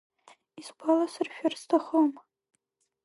Исгәаласыршәар сҭахым.